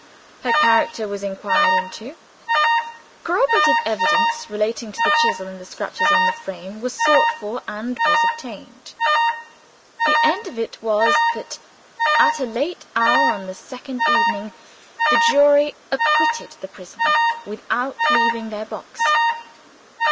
Her character was inquired into; corroborative evidence (relating to the chisel and the scratches on the frame) was sought for and was obtained. The end of it was that, at a late hour on the second evening, the jury acquitted the prisoner, without leaving their box.